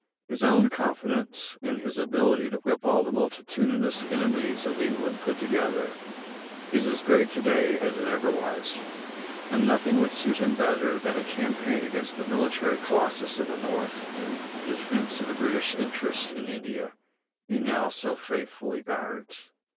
His own confidence in his ability to whip all the multitudinous enemies of England put together, is as great to day as it ever was, and nothing would suit him better than a campaign against the military colossus of the North in defence of the British interests in India he now so faithfully guards.